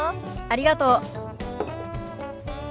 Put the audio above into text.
ありがとう。